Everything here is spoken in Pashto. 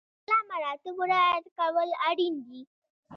د سلسله مراتبو رعایت کول اړین دي.